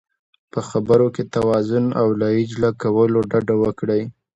په خبرو کې توازن او له عجله کولو ډډه وکړئ.